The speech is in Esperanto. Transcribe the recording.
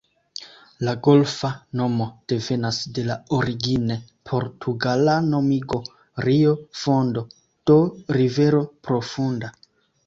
La golfa nomo devenas de la origine portugala nomigo "Rio Fondo", do "rivero profunda".